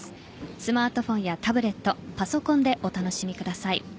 スマートフォンやタブレットパソコンでお楽しみください。